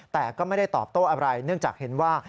แต่ก็ไม่ได้ตอบโต้อะไรเนื่องจากเห็นว่า